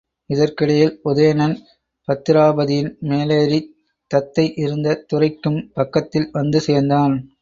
இதற்கிடையில் உதயணன், பத்திராபதியின் மேலேறித் தத்தை இருந்த துறைக்கும் பக்கத்தில் வந்து சேர்ந்தான்.